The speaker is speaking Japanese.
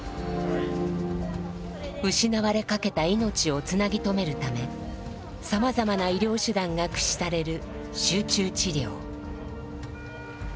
失われかけた命をつなぎ留めるためさまざまな医療手段が駆使される集中治療。